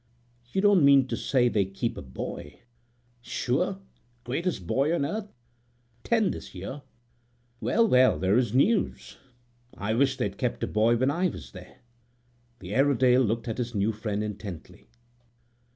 "You don't mean to say they keep a boy?" "Sure; greatest boy on earth. Ten this year." "Well, well, this is news! I wish they'd kept a boy when I was there." < 7 > The Airedale looked at his new friend intently.